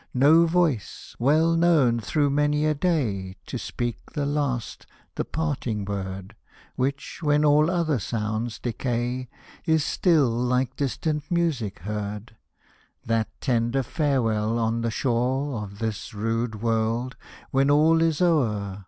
No voice, well known through many a day, To speak the last, the parting word, Which, when all other sounds decay, Is still like distant music heard ;— That tender farewell on the shore Of this rude world, when all is o'er.